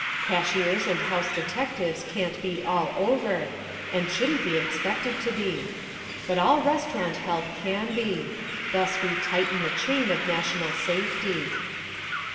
Cashiers and house detectives can't be all over, and shouldn't be expected to be. But all restaurant help can be; thus we tighten the chain of national safety.